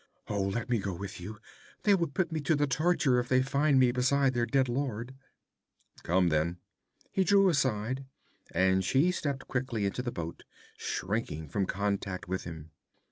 Oh, let me go with you! They will put me to the torture if they find me beside their dead lord.' 'Come, then.' He drew aside, and she stepped quickly into the boat, shrinking from contact with him.